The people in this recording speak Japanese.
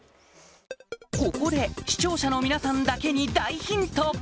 ここで視聴者の皆さんだけに大ヒント！